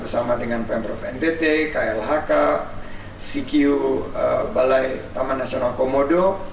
bersama dengan pemprov ntt klhk cq balai taman nasional komodo